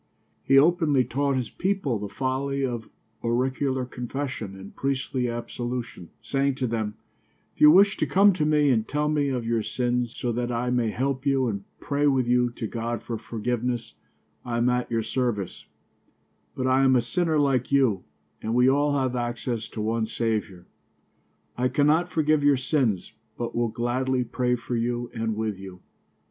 He openly taught his people the folly of auricular confession and priestly absolution, saying to them: "If you wish to come to me and tell me of your sins, so that I may help you and pray with you to God for forgiveness, I am at your service; but I am a sinner like you and we all have access to one Saviour. I cannot forgive your sins, but will gladly pray for you and with you."